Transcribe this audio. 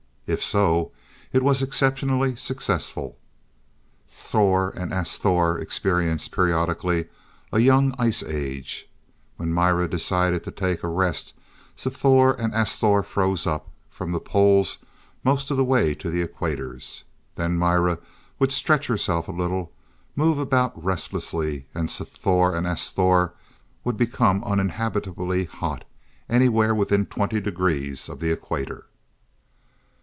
If so, it was exceptionally successful. Sthor and Asthor experienced, periodically, a young ice age. When Mira decided to take a rest, Sthor and Asthor froze up, from the poles most of the way to the equators. Then Mira would stretch herself a little, move about restlessly and Sthor and Asthor would become uninhabitably hot, anywhere within twenty degrees of the equator.